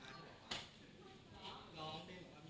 เขาจะพอแน่นตมัดอย่างเงียบ